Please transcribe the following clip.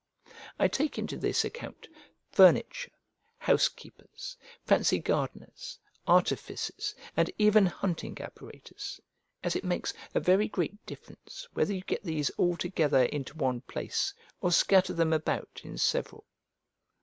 I take into this account furniture, housekeepers, fancy gardeners, artificers, and even hunting apparatus, as it makes a very great difference whether you get these altogether into one place or scatter them about in several.